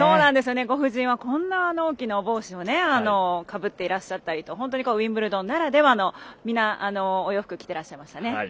ご婦人はこんな大きなお帽子をかぶっていらっしゃったりと本当にウィンブルドンならではの皆、お洋服を着てらっしゃいましたね。